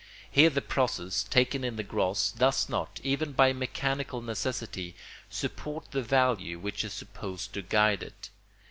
Here the process, taken in the gross, does not, even by mechanical necessity, support the value which is supposed to guide it.